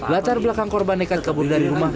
latar belakang korban nekat kabur dari rumah